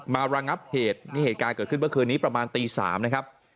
ระงับเหตุนี่เหตุการณ์เกิดขึ้นเมื่อคืนนี้ประมาณตี๓นะครับ